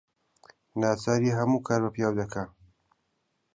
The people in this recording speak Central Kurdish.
ناچاری هەموو کار بە پیاو دەکا